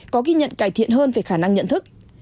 có ghi nhận cải thiện hơn về khả năng nhận thức